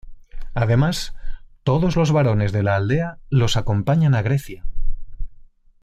Además, todos los varones de la aldea los acompañan a Grecia.